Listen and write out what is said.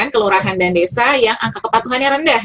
kelurahan dan desa yang angka kepatuhannya rendah